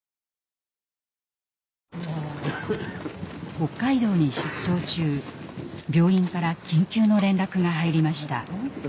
北海道に出張中病院から緊急の連絡が入りました。